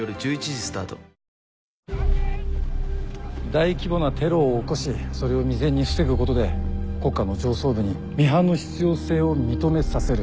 大規模なテロを起こしそれを未然に防ぐことで国家の上層部にミハンの必要性を認めさせる。